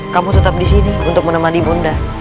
kamu tetap di sini untuk menemani bunda